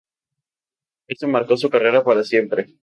Eso marcó su carrera para siempre.